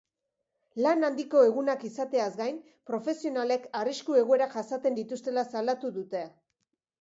Lan handiko egunak izateaz gain, profesionalek arrisku-egoerak jasaten dituztela salatu dute.